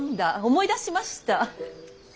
思い出しました。